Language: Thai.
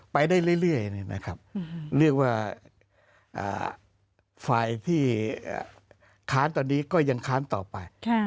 ไปได้เรื่อยเรียกว่าฝ่ายที่ค้านตอนนี้ก็ยังค้านต่อไป